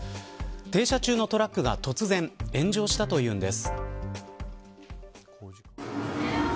停車中のトラックが突然、炎上したというんです。